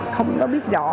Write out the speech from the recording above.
không biết rõ